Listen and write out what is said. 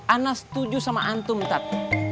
anas setuju sama antum tat